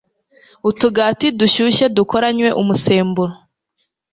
Utugati dushyushye dukoranywe umusemburo